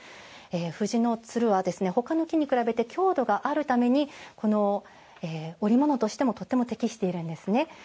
藤のつるは、ほかの木に比べて強度があるために、織物としてもとても適しているんですね。